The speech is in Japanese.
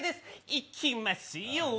いきますよー。